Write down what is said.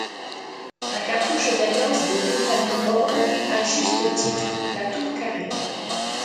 Un cartouche d'alliance des deux familles orne à juste titre la tour carrée.